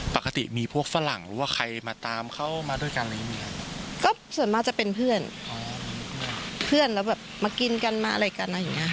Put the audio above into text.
ปกติมีพวกฝรั่งว่าใครมาตามเข้ามาด้วยกันแหละยังมี